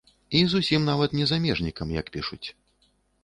І зусім нават не замежнікам, як пішуць.